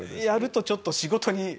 やるとちょっと仕事に。